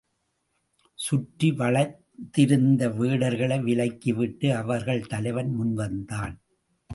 சுற்றி வளைத்திருந்த வேடர்களை விலக்கிவிட்டு அவர்கள் தலைவன் முன்வந்தான்.